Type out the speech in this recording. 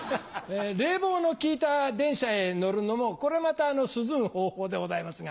冷房の効いた電車へ乗るのもこれまた涼む方法でございますが。